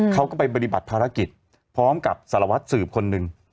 เขาก็ไปปฏิบัติภารกิจพร้อมกับสารวัตรสืบคนหนึ่ง